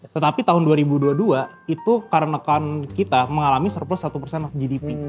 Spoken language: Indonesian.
tetapi tahun dua ribu dua puluh dua itu karena account kita mengalami surplus satu persen of gdp